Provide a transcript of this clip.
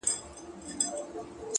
هر منزل د هڅې مستحق وي